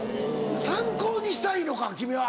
参考にしたいのか君は。